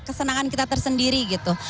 kesenangan kita tersendiri gitu